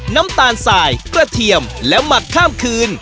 น้ำตาลสายกระเทียมและหมักข้ามคืน